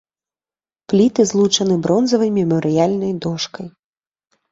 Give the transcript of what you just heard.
Пліты злучаны бронзавай мемарыяльнай дошкай.